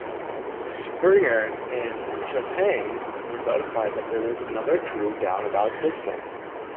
"Springer" and "Trepang" were notified that there was another crew down about distant.